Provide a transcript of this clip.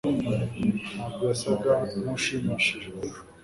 ntabwo yasaga nkushimishijwe